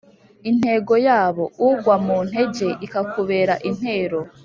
Intego y'abo ugwa mu ntege ikakubera intero